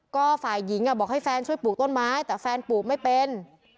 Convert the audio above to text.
ก็ฝ่ายหญิงบอกให้แฟนช่วยปลูกต้นไม้แต่แฟนปลูกไม่เป็น